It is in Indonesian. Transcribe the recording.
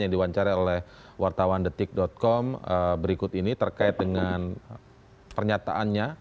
yang diwawancari oleh wartawan detik com berikut ini terkait dengan pernyataannya